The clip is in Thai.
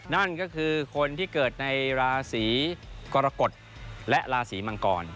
นั่นก็คือคนที่เกิดในราศีกรกฎและราศีมังกร